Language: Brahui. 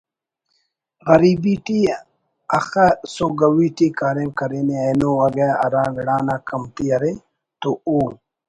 غریبی ٹی اخہ سوگوی ٹی کاریم کرینے اینو اگہ ہرا گڑانا کمتی ارے تو او